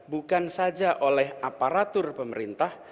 bukan saja oleh aparatur pemerintah